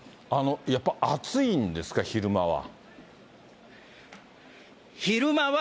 やっぱり暑いんですか、昼間は。